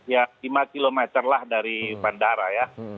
ya lima km lah dari bandara ya